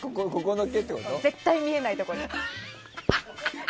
絶対に見えないところ。